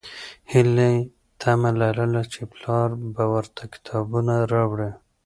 هیلې تمه لرله چې پلار به ورته کتابونه راوړي.